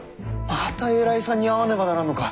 また偉いさんに会わねばならんのか。